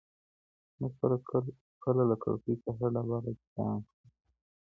موږ کله له کړکۍ څخه ډبره چاڼ کړه؟